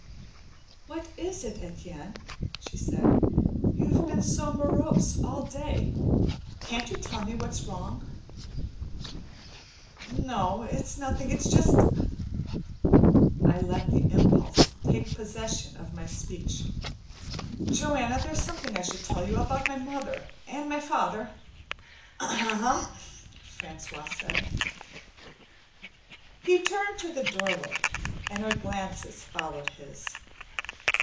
"What is it, Etienne?" she said. "You've been so morose all day. Can't you tell me what's wrong?" "No, it's nothing. It's just " I let the impulse take possession of my speech. "Joanna, there's something I should tell you. About my mother, and my father " "Ahem," Francois said. He turned to the doorway, and our glances followed his.